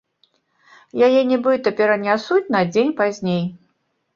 Яе нібыта перанясуць на дзень пазней.